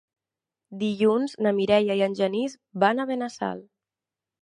Dilluns na Mireia i en Genís van a Benassal.